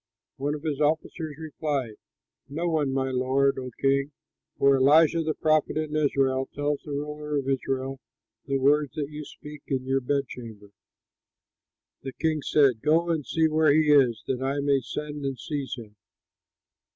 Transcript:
One of his officers replied, "No one, my lord, O king, for Elisha, the prophet in Israel, tells the ruler of Israel the words that you speak in your bedchamber." The king said, "Go and see where he is, that I may send and seize him."